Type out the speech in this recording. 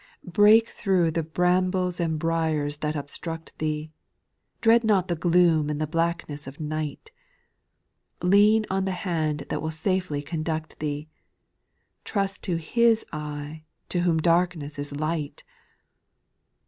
/ 4. Break through the brambles and briars that obstruct thee ; Dread not the gloom and the blackness of night ; Lean on the hand that will safely conduct thee ; Trust to His eye to whom darkness is light 1 6.